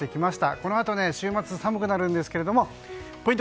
このあと、週末寒くなるんですがポイント